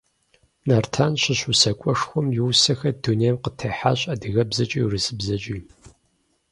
Нартан щыщ усакӀуэшхуэм и усэхэр дунейм къытехьащ адыгэбзэкӀи урысыбзэкӀи.